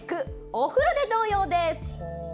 お風呂で童謡です。